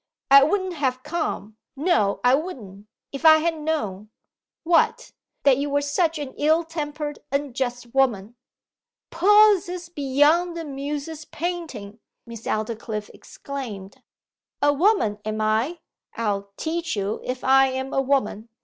'I wouldn't have come no I wouldn't! if I had known!' 'What?' 'That you were such an ill tempered, unjust woman!' 'Possest beyond the Muse's painting,' Miss Aldclyffe exclaimed 'A Woman, am I! I'll teach you if I am a Woman!